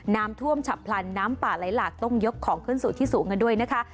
น้ำท่วมฉับพลันน้ำป่าไหลหลากต้องยกของขึ้นสู่ที่สูงกันด้วยนะคะ